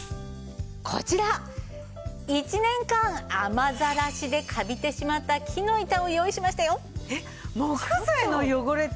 こちら１年間雨ざらしでカビてしまった木の板を用意しましたよ。